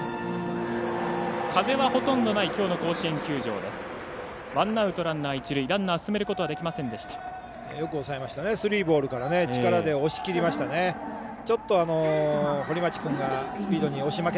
風はほとんどないきょうの甲子園球場です。